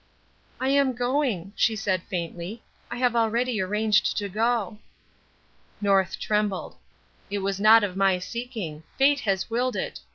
"I am going," she said faintly. "I have already arranged to go." North trembled. "It was not of my seeking. Fate has willed it.